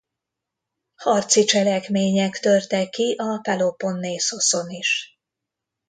Harci cselekmények törtek ki a Peloponnészoszon is.